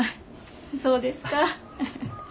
そうですか。